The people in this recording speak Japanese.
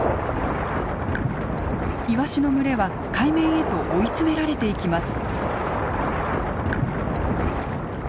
イワシの群れは海面へと追い詰められていきます。